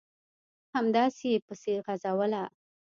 همداسې یې پسې غځوله ...